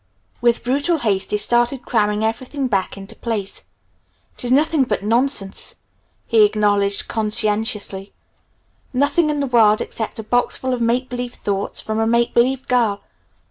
With brutal haste he started cramming everything back into place. "It is nothing but nonsense!" he acknowledged conscientiously; "nothing in the world except a boxful of make believe thoughts from a make believe girl.